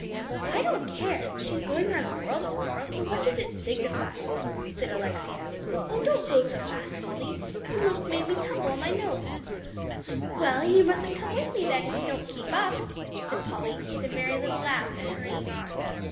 "Well, I don't care; and she's going round the world to morrow, so what does it signify?" said Alexia. "Oh, don't go so fast, Polly. You most made me tumble on my nose." "Well, you mustn't come with me, then, if you don't keep up," said Polly, with a merry little laugh, and hurrying on.